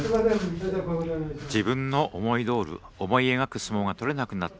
自分の思い描く相撲が取れなくなった。